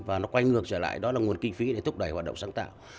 và nó quay ngược trở lại đó là nguồn kinh phí để thúc đẩy hoạt động sáng tạo